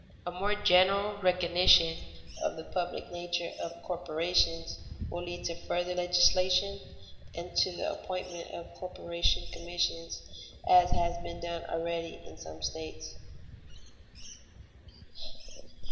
A more general recognition of the public nature of corporations will lead to further legislation and to the appointment of corporation commissions, as has been done already in some states.